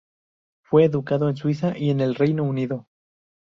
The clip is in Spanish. Fue educado en Suiza y en el Reino Unido.